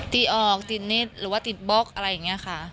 ตีออกติดนิดหรือว่าติดบล็อกอะไรอย่างนี้ค่ะ